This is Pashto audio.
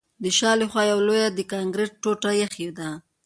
د شا له خوا یوه لویه د کانکریټ ټوټه ایښې ده